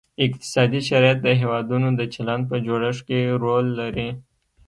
اقتصادي شرایط د هیوادونو د چلند په جوړښت کې رول لري